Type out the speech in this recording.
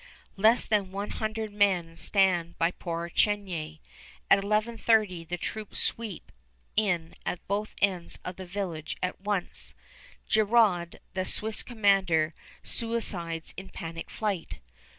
Less than one hundred men stand by poor Chenier. At eleven thirty the troops sweep in at both ends of the village at once, Girod, the Swiss commander, suicides in panic flight.